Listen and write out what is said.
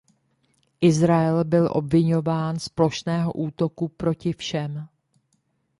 Izrael byl obviňován z plošného útoku proti všem.